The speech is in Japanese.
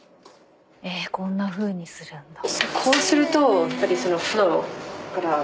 ええこんなふうにするんだ？